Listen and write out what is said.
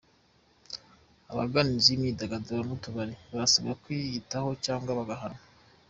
Abagana inzu z’imyidagaduro n’utubari barasabwa kwiyitaho cyangwa bagahanwa